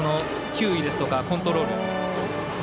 球威ですとかコントロール。